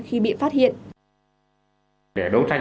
khi bị phát hiện